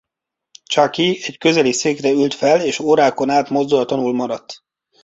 Chucky egy közeli székre ült fel és órákon át mozdulatlanul maradt.